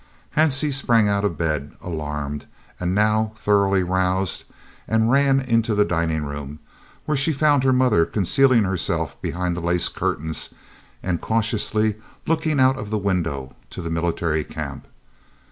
Hansie sprang out of bed, alarmed and now thoroughly roused, and ran into the dining room, where she found her mother concealing herself behind the lace curtains and cautiously looking out of the window to the Military Camp.